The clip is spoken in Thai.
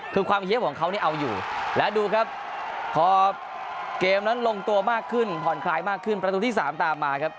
คือความเฮียของเขานี่เอาอยู่และดูครับพอเกมนั้นลงตัวมากขึ้นผ่อนคลายมากขึ้นประตูที่๓ตามมาครับ